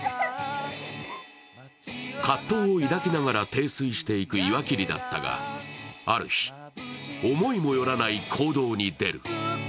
葛藤を抱きながら停水していく岩切だったがある日、思いもよらない行動に出る。